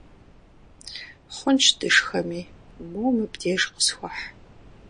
Хъунщ дышхэми, моуэ мыбдеж къысхуэхь.